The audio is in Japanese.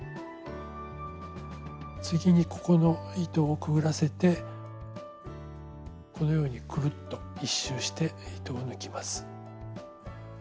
次にここの糸をくぐらせてこのようにクルッと１周して糸を抜きます。